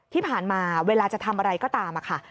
ที่ผ่านมาเวลาจะทำอะไรก็ตามค่ะ